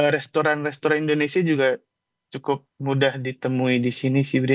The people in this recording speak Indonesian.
restoran restoran indonesia juga cukup mudah ditemui di sini sih bri